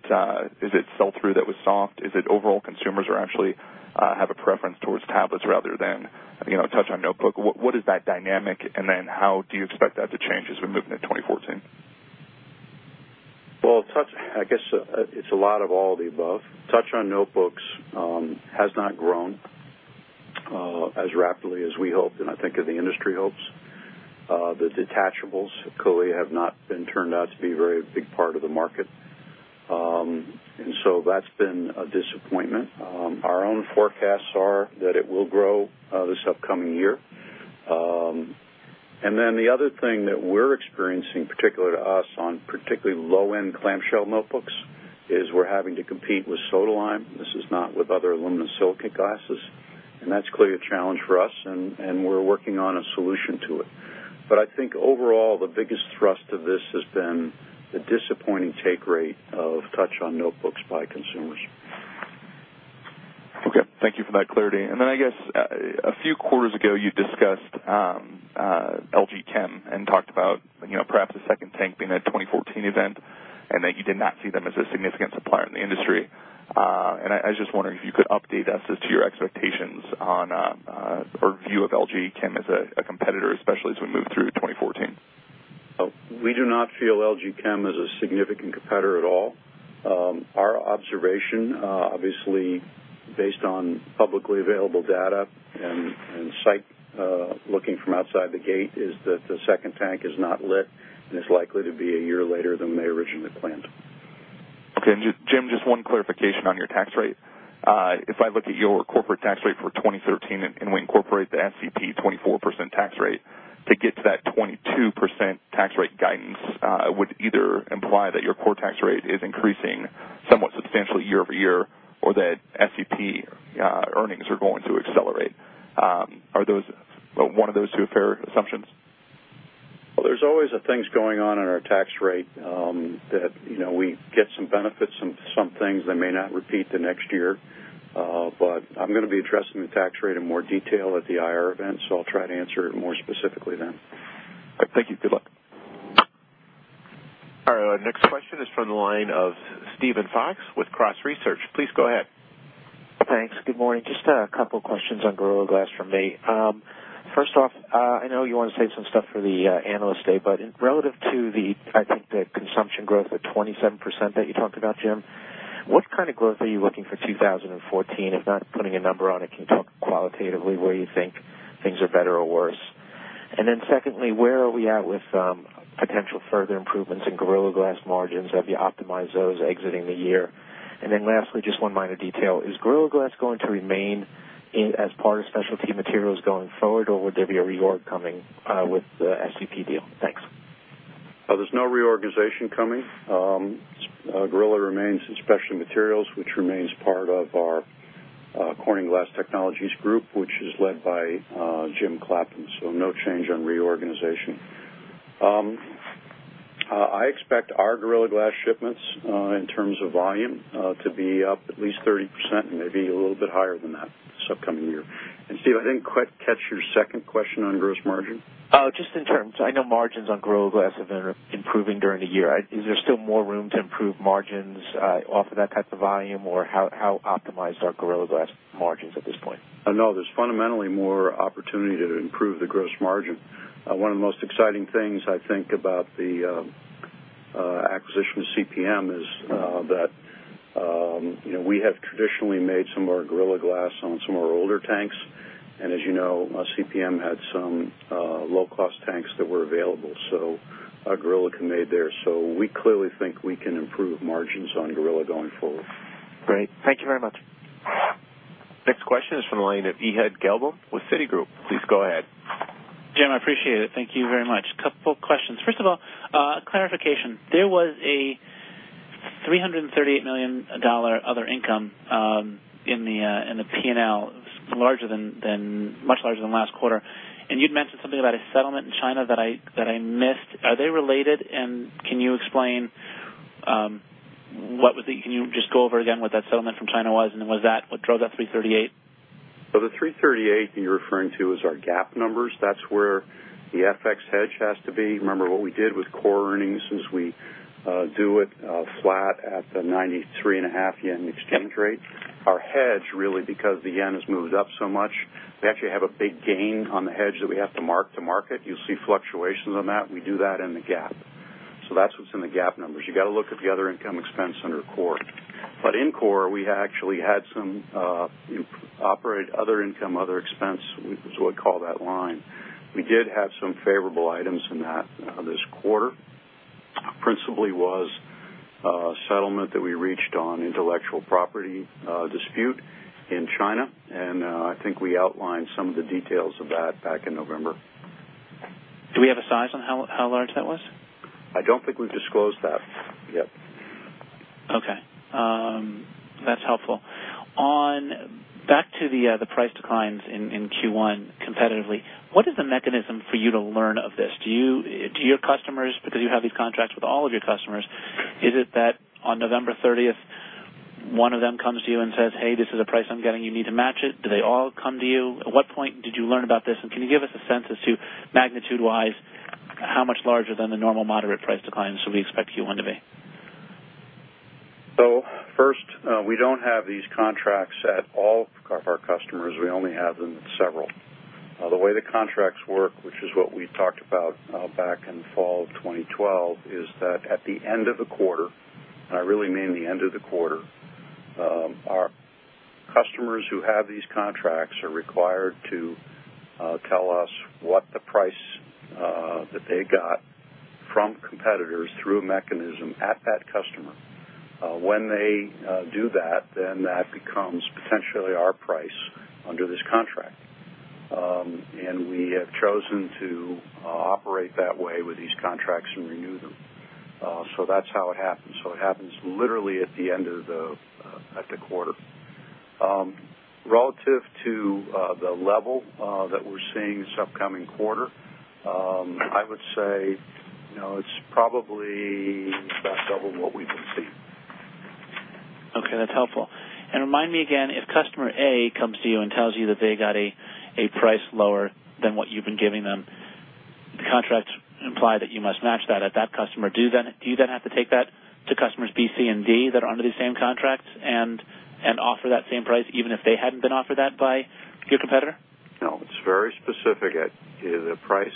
sell-through that was soft? Is it overall consumers actually have a preference towards tablets rather than touch on notebook? What is that dynamic? How do you expect that to change as we move into 2014? I guess it's a lot of all the above. Touch on notebooks has not grown as rapidly as we hoped, I think as the industry hopes. The detachables clearly have not been turned out to be a very big part of the market. So that's been a disappointment. Our own forecasts are that it will grow this upcoming year. The other thing that we're experiencing particular to us on particularly low-end clamshell notebooks is we're having to compete with soda-lime glass. This is not with other aluminosilicate glasses, that's clearly a challenge for us, and we're working on a solution to it. I think overall, the biggest thrust of this has been the disappointing take rate of touch on notebooks by consumers. Okay. Thank you for that clarity. I guess a few quarters ago, you discussed LG Chem and talked about perhaps a second tank being a 2014 event, that you did not see them as a significant supplier in the industry. I was just wondering if you could update us as to your expectations on, or view of LG Chem as a competitor, especially as we move through 2014. We do not feel LG Chem is a significant competitor at all. Our observation, obviously based on publicly available data and site, looking from outside the gate, is that the second tank is not lit and is likely to be a year later than they originally planned. Okay. Jim, just one clarification on your tax rate. If I look at your corporate tax rate for 2013, we incorporate the SCP 24% tax rate to get to that 22% tax rate guidance, it would either imply that your core tax rate is increasing somewhat substantially year-over-year or that SCP earnings are going to accelerate. Are one of those two fair assumptions? There's always things going on in our tax rate that we get some benefits, some things that may not repeat the next year. I'm going to be addressing the tax rate in more detail at the IR event, I'll try to answer it more specifically then. Thank you. Good luck. Our next question is from the line of Steven Fox with Cross Research. Please go ahead. Thanks. Good morning. Just a couple of questions on Gorilla Glass from me. I know you want to save some stuff for the Analyst Day, relative to the, I think the consumption growth of 27% that you talked about, Jim, what kind of growth are you looking for 2014? If not putting a number on it, can you talk qualitatively where you think things are better or worse? Secondly, where are we at with potential further improvements in Gorilla Glass margins? Have you optimized those exiting the year? Lastly, just one minor detail, is Gorilla Glass going to remain as part of Specialty Materials going forward, or would there be a reorg coming with the SCP deal? Thanks. There's no reorganization coming. Gorilla remains in Specialty Materials, which remains part of our Corning Glass Technologies group, which is led by Jim Clappin. No change on reorganization. I expect our Gorilla Glass shipments, in terms of volume, to be up at least 30% and maybe a little bit higher than that this upcoming year. Steve, I didn't quite catch your second question on gross margin. Just in terms, I know margins on Gorilla Glass have been improving during the year. Is there still more room to improve margins off of that type of volume? Or how optimized are Gorilla Glass margins at this point? No, there's fundamentally more opportunity to improve the gross margin. One of the most exciting things I think about the acquisition of CPM is that we have traditionally made some of our Gorilla Glass on some of our older tanks. As you know, CPM had some low-cost tanks that were available, so Gorilla can be made there. We clearly think we can improve margins on Gorilla going forward. Great. Thank you very much. Next question is from the line of Ehud Gelblum with Citigroup. Please go ahead. Jim, I appreciate it. Thank you very much. A couple questions. First of all, clarification. There was a $338 million other income in the P&L, much larger than last quarter. You'd mentioned something about a settlement in China that I missed. Are they related? Can you explain, can you just go over again what that settlement from China was, and what drove that 338? The 338 you're referring to is our GAAP numbers. That's where the FX hedge has to be. Remember what we did with core earnings, is we do it flat at the 93.5 yen exchange rate. Our hedge, really, because the yen has moved up so much, we actually have a big gain on the hedge that we have to mark-to-market. You'll see fluctuations on that. We do that in the GAAP. That's what's in the GAAP numbers. You got to look at the other income expense under core. In core, we actually had some other income, other expense, is what we call that line. We did have some favorable items in that this quarter. Principally was a settlement that we reached on intellectual property dispute in China, and I think we outlined some of the details of that back in November. Do we have a size on how large that was? I don't think we've disclosed that yet. Okay. That's helpful. Back to the price declines in Q1 competitively, what is the mechanism for you to learn of this? Do your customers, because you have these contracts with all of your customers, is it that on November 30th, one of them comes to you and says, "Hey, this is the price I'm getting, you need to match it." Do they all come to you? At what point did you learn about this? Can you give us a sense as to magnitude-wise, how much larger than the normal moderate price declines should we expect Q1 to be? First, we don't have these contracts at all of our customers. We only have them with several. The way the contracts work, which is what we talked about back in fall of 2012, is that at the end of the quarter, I really mean the end of the quarter, our customers who have these contracts are required to tell us what the price that they got from competitors through a mechanism at that customer. When they do that, then that becomes potentially our price under this contract. We have chosen to operate that way with these contracts and renew them. That's how it happens. It happens literally at the end of the quarter. Relative to the level that we're seeing this upcoming quarter, I would say it's probably about double what we've been seeing. Okay, that's helpful. Remind me again, if customer A comes to you and tells you that they got a price lower than what you've been giving them, the contracts imply that you must match that at that customer. Do you then have to take that to customers B, C, and D that are under the same contracts and offer that same price, even if they hadn't been offered that by your competitor? No, it's very specific. The price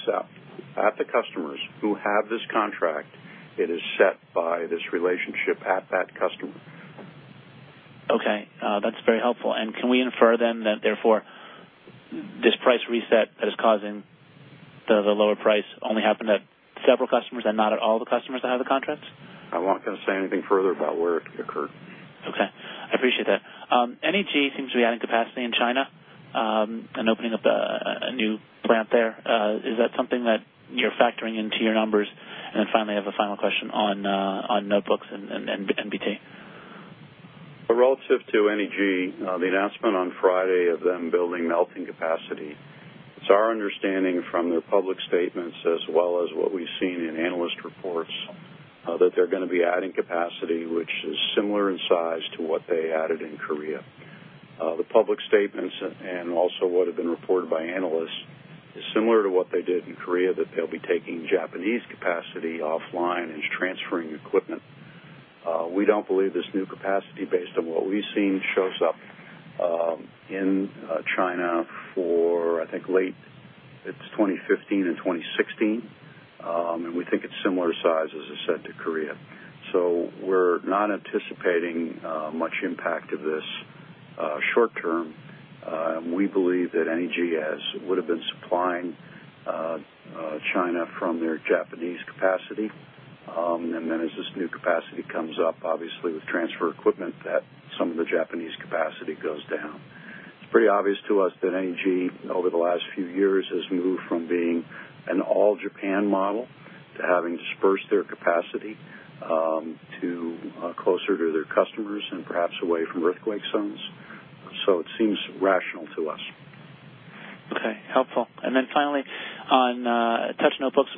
at the customers who have this contract, it is set by this relationship at that customer. Okay. That's very helpful. Can we infer, then, that therefore this price reset that is causing the lower price only happened at several customers and not at all the customers that have the contracts? I'm not going to say anything further about where it occurred. Okay. I appreciate that. NEG seems to be adding capacity in China, and opening up a new plant there. Is that something that you're factoring into your numbers? Finally, I have a final question on notebooks and NBT. Relative to NEG, the announcement on Friday of them building melting capacity. It's our understanding from their public statements as well as what we've seen in analyst reports, that they're going to be adding capacity which is similar in size to what they added in Korea. The public statements, and also what have been reported by analysts, is similar to what they did in Korea, that they'll be taking Japanese capacity offline and transferring equipment. We don't believe this new capacity, based on what we've seen, shows up in China for, I think, late 2015 and 2016. We think it's similar size, as I said, to Korea. We are not anticipating much impact of this short-term. We believe that NEG would've been supplying China from their Japanese capacity, and then as this new capacity comes up, obviously with transfer equipment, that some of the Japanese capacity goes down. It's pretty obvious to us that NEG over the last few years has moved from being an all Japan model to having dispersed their capacity, to closer to their customers and perhaps away from earthquake zones. It seems rational to us. Okay. Helpful. Finally, on touch notebooks,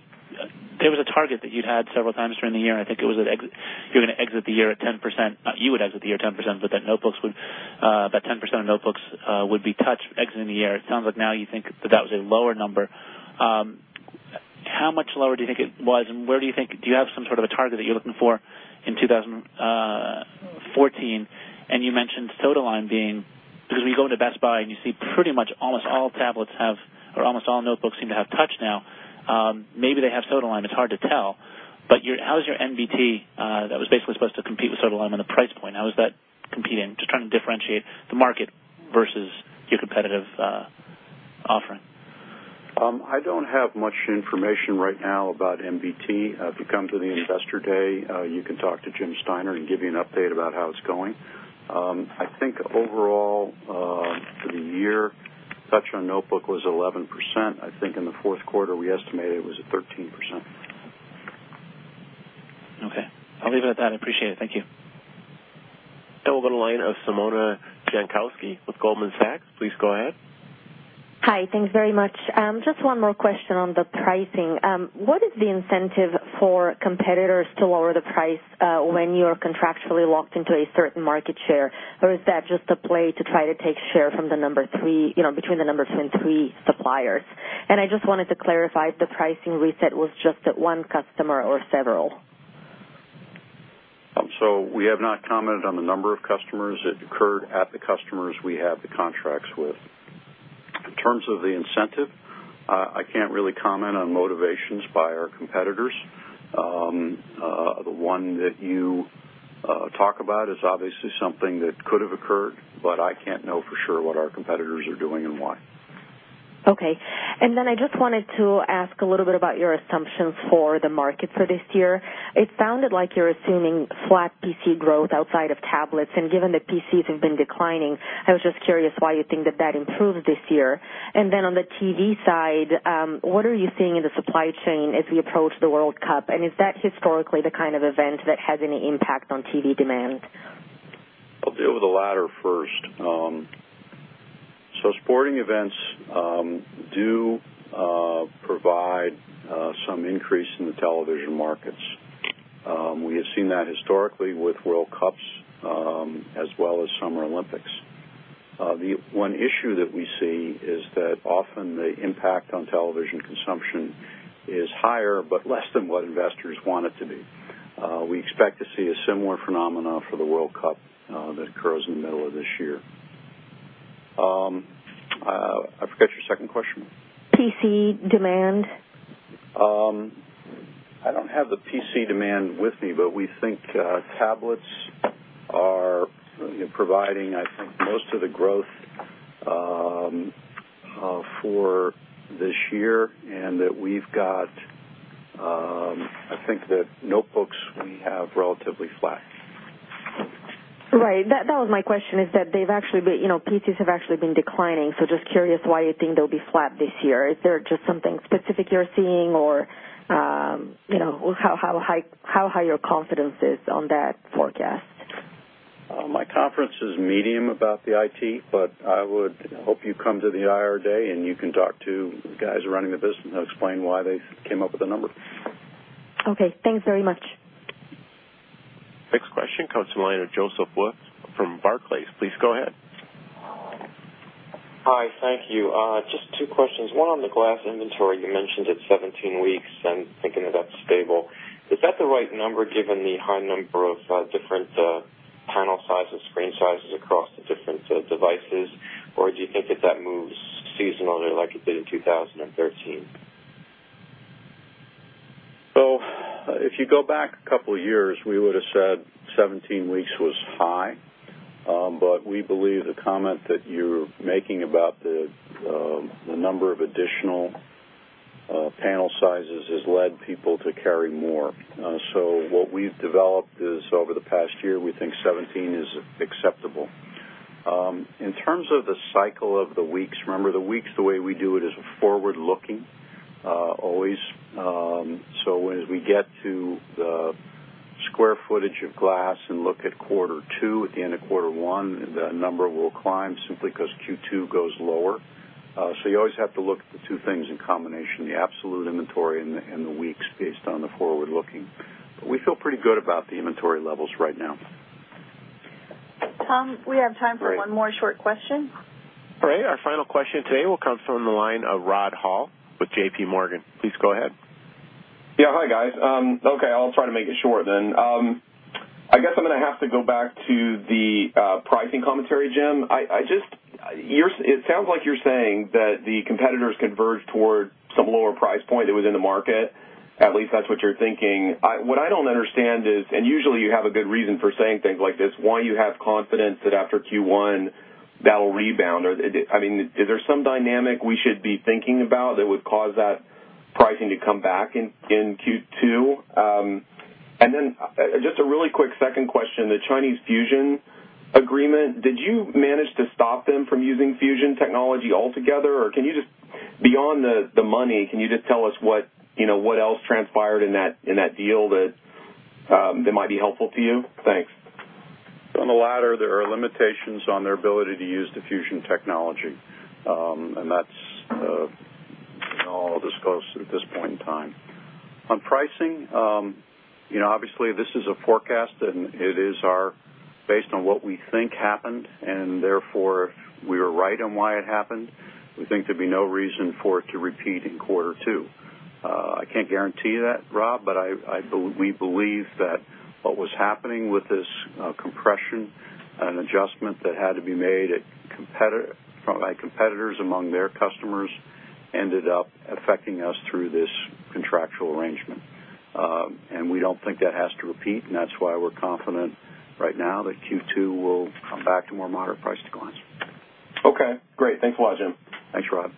there was a target that you'd had several times during the year, and I think it was that you would exit the year 10%, but that 10% of notebooks would be touch exiting the year. It sounds like now you think that that was a lower number. How much lower do you think it was, and do you have some sort of a target that you're looking for in 2014? You mentioned total line, because when you go into Best Buy and you see pretty much almost all notebooks seem to have touch now. Maybe they have total line, it's hard to tell. How is your NBT that was basically supposed to compete with total line on the price point, how is that competing? Just trying to differentiate the market versus your competitive offering. I don't have much information right now about NBT. If you come to the Investor Day, you can talk to Jim Steiner and give you an update about how it's going. I think overall, for the year, touch on notebook was 11%. I think in the fourth quarter, we estimated it was at 13%. Okay. I'll leave it at that. I appreciate it. Thank you. We'll go to the line of Simona Jankowski with Goldman Sachs. Please go ahead. Hi. Thanks very much. Just one more question on the pricing. What is the incentive for competitors to lower the price, when you're contractually locked into a certain market share? Is that just a play to try to take share between the number two and three suppliers? I just wanted to clarify if the pricing reset was just at one customer or several. We have not commented on the number of customers. It occurred at the customers we have the contracts with. In terms of the incentive, I can't really comment on motivations by our competitors. The one that you talk about is obviously something that could have occurred, I can't know for sure what our competitors are doing and why. Okay. I just wanted to ask a little bit about your assumptions for the market for this year. It sounded like you're assuming flat PC growth outside of tablets, and given that PCs have been declining, I was just curious why you think that that improved this year. On the TV side, what are you seeing in the supply chain as we approach the World Cup? Is that historically the kind of event that has any impact on TV demand? I'll deal with the latter first. Sporting events do provide some increase in the television markets. We have seen that historically with World Cups, as well as Summer Olympics. The one issue that we see is that often the impact on television consumption is higher, but less than what investors want it to be. We expect to see a similar phenomenon for the World Cup, that occurs in the middle of this year. I forget your second question. PC demand. I don't have the PC demand with me, but we think tablets are providing, I think, most of the growth for this year, we've got notebooks, we have relatively flat. Right. That was my question, is that PCs have actually been declining, so just curious why you think they'll be flat this year. Is there just something specific you're seeing, or how high your confidence is on that forecast? My confidence is medium about the IT, but I would hope you come to the IR day and you can talk to guys running the business and they'll explain why they came up with the number. Okay. Thanks very much. Next question comes from the line of Joseph Wolf from Barclays. Please go ahead. Hi. Thank you. Just two questions. One on the glass inventory. You mentioned it's 17 weeks and thinking that that's stable. Is that the right number given the high number of different panel sizes, screen sizes across the different devices? Or do you think that that moves seasonally like it did in 2013? If you go back a couple of years, we would've said 17 weeks was high. We believe the comment that you're making about the number of additional panel sizes has led people to carry more. What we've developed is, over the past year, we think 17 is acceptable. In terms of the cycle of the weeks, remember, the weeks, the way we do it, is forward-looking, always. As we get to the square footage of glass and look at quarter two at the end of quarter one, the number will climb simply because Q2 goes lower. You always have to look at the two things in combination, the absolute inventory and the weeks based on the forward looking. We feel pretty good about the inventory levels right now. Tom, we have time for one more short question. All right. Our final question today will come from the line of Rod Hall with JPMorgan. Please go ahead. Yeah. Hi, guys. I'll try to make it short then. Have to go back to the pricing commentary, Jim. It sounds like you're saying that the competitors converged toward some lower price point that was in the market. At least that's what you're thinking. What I don't understand is, usually you have a good reason for saying things like this, why you have confidence that after Q1 that'll rebound? Is there some dynamic we should be thinking about that would cause that pricing to come back in Q2? Then, just a really quick second question. The Chinese fusion agreement, did you manage to stop them from using fusion technology altogether? Beyond the money, can you just tell us what else transpired in that deal that might be helpful to you? Thanks. On the latter, there are limitations on their ability to use the fusion technology. That's all I'll disclose at this point in time. On pricing, obviously this is a forecast, and it is based on what we think happened, and therefore, if we were right on why it happened, we think there'd be no reason for it to repeat in quarter 2. I can't guarantee that, Rod Hall, but we believe that what was happening with this compression, an adjustment that had to be made by competitors among their customers, ended up affecting us through this contractual arrangement. We don't think that has to repeat, and that's why we're confident right now that Q2 will come back to more moderate price declines. Okay, great. Thanks a lot, James B. Flaws. Thanks,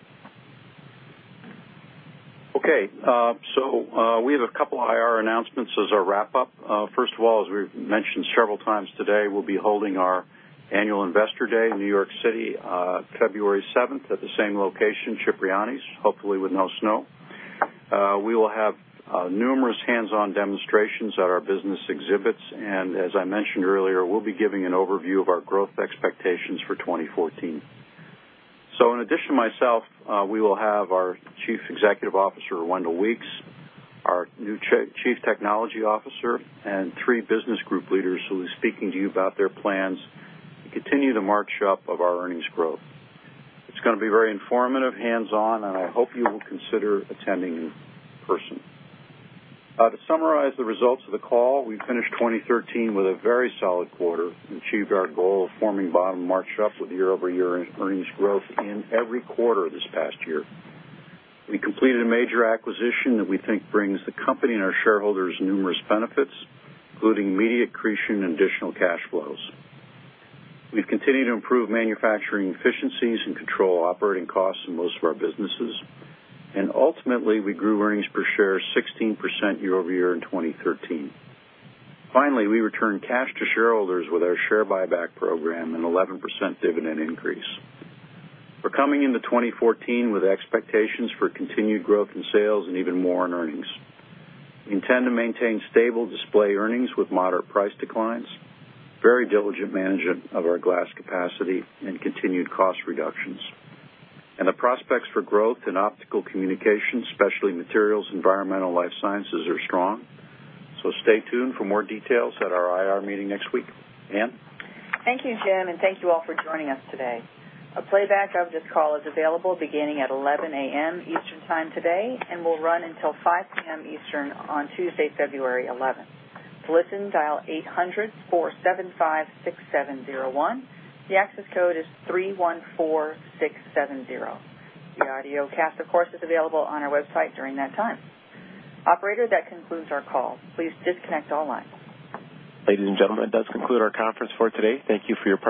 Rod Hall. We have 2 IR announcements as our wrap-up. First of all, as we've mentioned several times today, we'll be holding our annual Investor Day in New York City, February 7th, at the same location, Cipriani, hopefully with no snow. We will have numerous hands-on demonstrations at our business exhibits, and as I mentioned earlier, we'll be giving an overview of our growth expectations for 2014. In addition to myself, we will have our chief executive officer, Wendell P. Weeks, our new chief technology officer, and 3 business group leaders who'll be speaking to you about their plans to continue the march up of our earnings growth. It's going to be very informative, hands-on, and I hope you will consider attending in person. To summarize the results of the call, we finished 2013 with a very solid quarter and achieved our goal of forming bottom march up with year-over-year earnings growth in every quarter this past year. We completed a major acquisition that we think brings the company and our shareholders numerous benefits, including immediate accretion and additional cash flows. We've continued to improve manufacturing efficiencies and control operating costs in most of our businesses. Ultimately, we grew earnings per share 16% year-over-year in 2013. Finally, we returned cash to shareholders with our share buyback program and 11% dividend increase. We're coming into 2014 with expectations for continued growth in sales and even more in earnings. We intend to maintain stable display earnings with moderate price declines, very diligent management of our glass capacity, and continued cost reductions. The prospects for growth in Optical Communications, Specialty Materials, Environmental Life Sciences are strong. Stay tuned for more details at our IR meeting next week. Ann? Thank you, Jim, and thank you all for joining us today. A playback of this call is available beginning at 11:00 A.M. Eastern Time today and will run until 5:00 P.M. Eastern on Tuesday, February 11th. To listen, dial 800-475-6701. The access code is 314670. The audiocast, of course, is available on our website during that time. Operator, that concludes our call. Please disconnect all lines. Ladies and gentlemen, that does conclude our conference for today. Thank you for your participation.